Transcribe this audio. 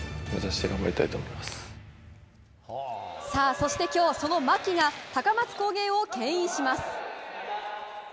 そして、今日その牧が高松工芸を牽引します。